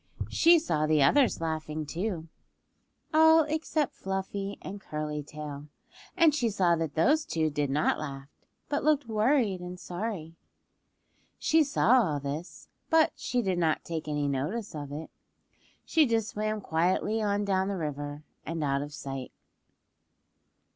She saw the others laughing, too, all except Fluffy and Curly Tail, and she saw that those two did not laugh, but looked worried and sorry. She saw all this, but she did not take any notice of it. She just swam quietly on down the river and out of sight.